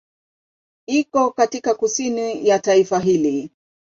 Iko katika kusini ya taifa hili.